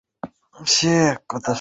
সব বলবেন উনি।